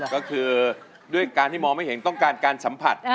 ก็คือด้วยการที่มองไม่เห็นต้องการการสัมผัส